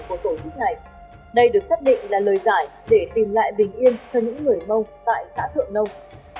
của tổ chức này đây được xác định là lời giải để tìm lại bình yên cho những người mông tại xã thượng nông